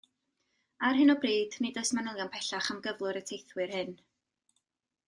Ar hyn o bryd nid oes manylion pellach am gyflwr y teithwyr hyn.